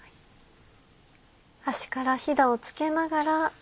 端からひだをつけながら。